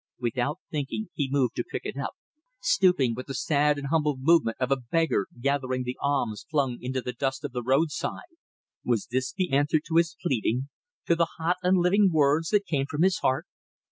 Without thinking he moved to pick it up, stooping with the sad and humble movement of a beggar gathering the alms flung into the dust of the roadside. Was this the answer to his pleading, to the hot and living words that came from his heart?